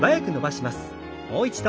もう一度。